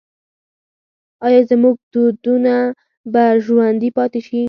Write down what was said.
آیا زموږ دودونه به ژوندي پاتې شي؟